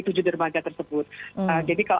tujuh dermaga tersebut jadi kalau